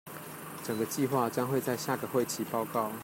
整個計畫將會在下個會期報告